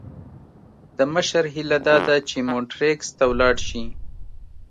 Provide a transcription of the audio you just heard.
د مشر هیله داده چې مونټریکس ته ولاړ شي.